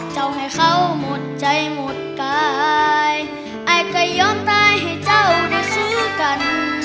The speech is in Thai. ให้เขาหมดใจหมดกายอายก็ยอมตายให้เจ้าได้ซื้อกัน